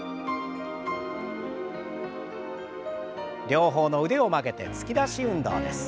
両方の腕を曲げて突き出し運動です。